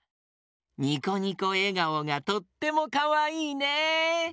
ニコニコえがおがとってもかわいいね！